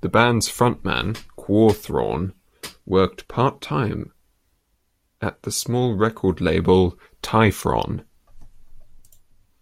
The band's frontman, Quorthon, worked part-time at the small record label Tyfon.